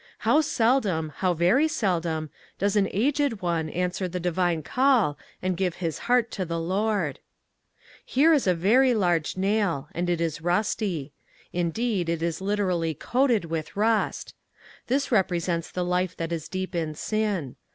How seldom, how very seldom, does an aged one answer the divine call and give his heart to the Lord! Here is a very large nail, and it is rusty. Indeed it is literally coated with rust. This represents the life that is deep in sin.